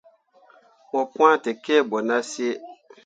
Mo pwãa tekǝbo nah sǝǝ.